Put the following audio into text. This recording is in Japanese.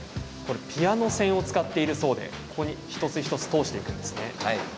これ、ピアノ線を使っているそうでここに一つ一つ通していくんですね。